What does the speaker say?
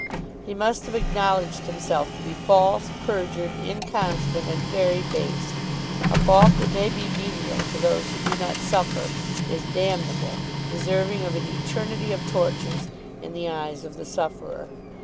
He must have acknowledged himself to be false, perjured, inconstant, and very base. A fault that may be venial to those who do not suffer, is damnable, deserving of an eternity of tortures, in the eyes of the sufferer.